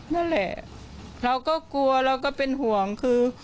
นั่นแหละเราก็กลัวเราก็เป็นห่วงคือ